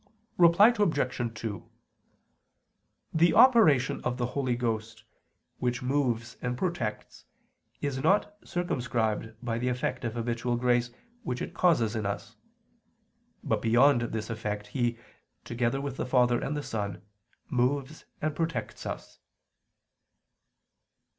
Reply Obj. 2: The operation of the Holy Ghost, which moves and protects, is not circumscribed by the effect of habitual grace which it causes in us; but beyond this effect He, together with the Father and the Son, moves and protects us.